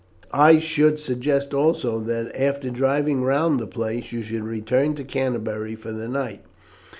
I should suggest also that, after driving round the place, you should return to Canterbury for the night.